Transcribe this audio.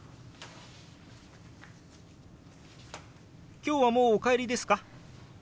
今日はもうお帰りですか？